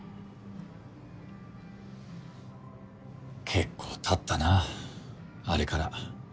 結構経ったなあれから。